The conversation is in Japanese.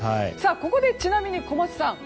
ここで、ちなみに小松さん。